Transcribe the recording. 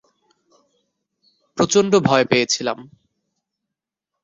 প্রচন্ড ভয় পেয়েছিলাম।